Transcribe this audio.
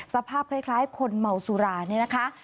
สภาพคล้ายคนเมาสุราเนี่ยนะคะ